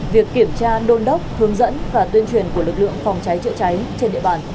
việc kiểm tra đôn đốc hướng dẫn và tuyên truyền của lực lượng phòng cháy chữa cháy trên địa bàn